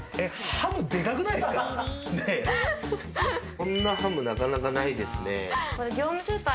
こんなハムなかなかないですね。